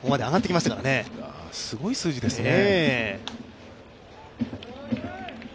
いや、すごい数字ですね。